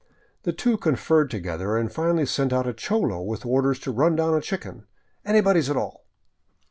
The two conferred to gether and finally sent out a cholo with orders to run down a chicken —" anybody's at all."